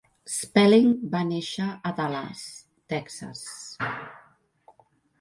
Spelling va néixer a Dallas, Texas.